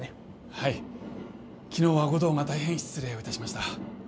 はい昨日は護道が大変失礼をいたしました